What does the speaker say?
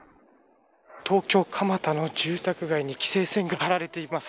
東京、蒲田の住宅街に規制線が張られています。